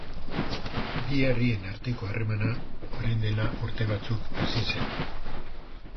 Bi herrien arteko harremana orain dela urte batzuk hasi zen.